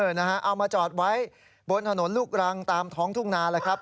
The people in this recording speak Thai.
นะฮะเอามาจอดไว้บนถนนลูกรังตามท้องทุ่งนาแล้วครับ